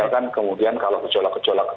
ya kan kemudian kalau kecolak kecolak